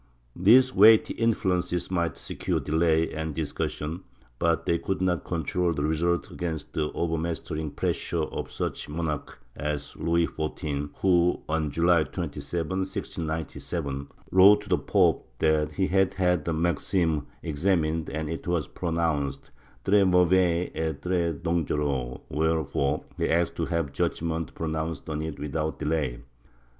These weighty influences might secure delay and discussion, but they could not control the result against the over mastering pressure of such a monarch as Louis XIV who, on July 27, 1697, wrote to the pope that he had had the Maximes examined and that it was pronounced "tres mauvais et tres dangereux," wherefore he asked to have judgement pronounced on it without delay.